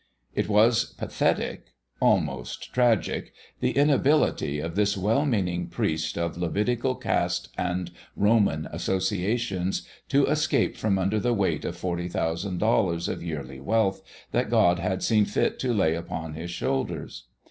It was pathetic almost tragic the inability of this well meaning priest, of Levitical cast and Roman associations, to escape from under the weight of forty thousand dollars of yearly wealth that God had seen fit to lay upon his shoulders.